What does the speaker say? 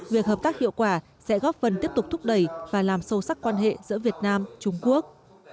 việc hợp tác hiệu quả sẽ góp phần tiếp tục thúc đẩy và làm sâu sắc quan hệ giữa việt nam trung quốc